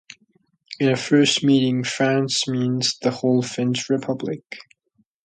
In a first meaning, "France" means the whole French Republic.